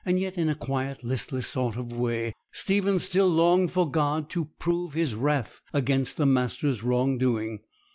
Yet, in a quiet, listless sort of way, Stephen still longed for God to prove His wrath against the master's wrong doing.